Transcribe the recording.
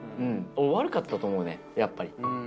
悪かったと思うねやっぱり。